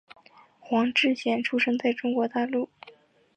黄志贤出生在中国大陆。